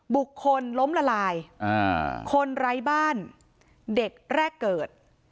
บุคคลล้มละลายคนไร้บ้านเด็กแรกเกิด